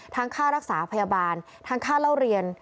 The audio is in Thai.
ค่ารักษาพยาบาลทั้งค่าเล่าเรียน